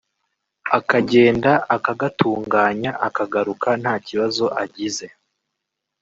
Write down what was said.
akagenda akagatunganya akagaruka nta kibazo agize